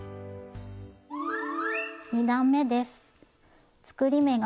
２段めです。